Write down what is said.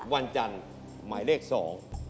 วันจันทร์หมายเลขสอง